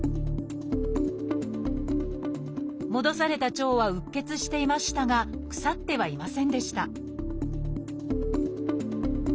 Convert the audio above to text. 戻された腸はうっ血していましたが腐ってはいませんでした